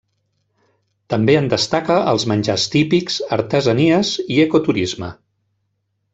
També en destaca els menjars típics, artesanies i ecoturisme.